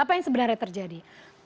apa yang sebenarnya terjadi